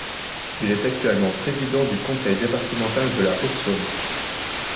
Il est actuellement président du conseil départemental de la Haute-Saône.